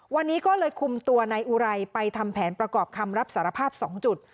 วันนี้ก็เลยคุมตัวนายอุไรไปทำแผนประกอบคำรับสารภาพ๒จุด